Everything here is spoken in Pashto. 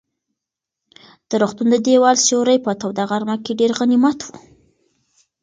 د روغتون د دېوال سیوری په توده غرمه کې ډېر غنیمت و.